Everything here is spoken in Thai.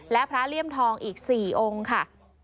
และพระเลี่ยมทองอีก๔องค์ค่ะ